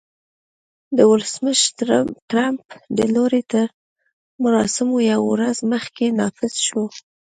د ولسمشر ټرمپ د لوړې تر مراسمو یوه ورځ مخکې نافذ شو